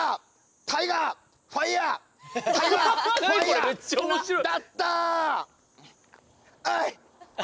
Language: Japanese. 何これめっちゃ面白い。